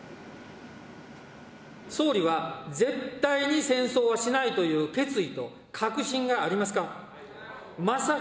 総理は絶対に戦争はしないという決意と確信がありますか。